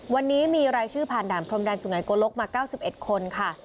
วันนี้มีรายชื่อผ่านด่านพรมแดนสุงัยโกลกมา๙๑คนค่ะ